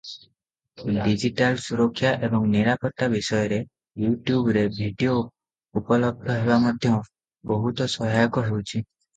Digital ସୁରକ୍ଷା ଏବଂ ନିରାପତ୍ତା ବିଷୟରେ ୟୁଟ୍ୟୁବରେ ଭିଡିଓ ଉପଲବ୍ଧ ହେବା ମଧ୍ୟ ବହୁତ ସହାୟକ ହେଉଛି ।